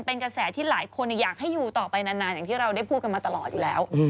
เป็นกระแสที่หลายคนอยากให้อยู่ต่อไปนานอย่างที่เราได้พูดกันมาตลอดอยู่แล้ว